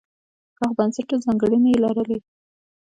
پراخ بنسټه ځانګړنې یې لرلې.